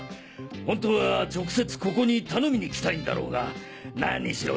本当は直接ここに頼みに来たいんだろうが何しろ